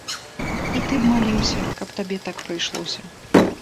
І ты б маліўся, каб табе так прыйшлося.